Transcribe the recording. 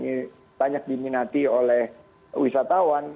ini banyak diminati oleh wisatawan